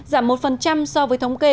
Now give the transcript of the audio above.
giảm một so với thống kê